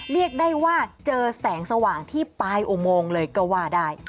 เรียกได้ว่าเจอแสงสว่างที่ปลายอุโมงเลยก็ว่าได้